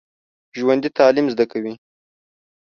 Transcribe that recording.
ژوندي تعلیم زده کوي